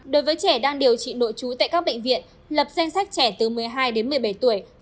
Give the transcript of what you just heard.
đối với trẻ đang điều trị nội trú tại các bệnh viện lập danh sách trẻ từ một mươi hai đến một mươi bảy tuổi